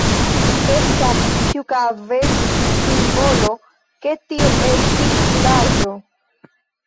Estas ĉiukaze simbolo, ke tio estis vilaĝo.